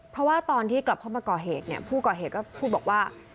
เพราะว่าตอนที่กลับเข้ามาก่อเหตุเนี่ยผู้ก่อเหตุก็พูดบอกว่า